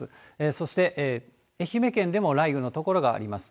そして愛媛県でも雷雨の所があります。